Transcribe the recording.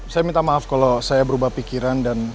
saya minta maaf kalau saya berubah pikiran dan